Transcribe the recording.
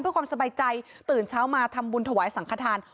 เพื่อความสบายใจตื่นเช้ามาทำบุญถวายสังขทาน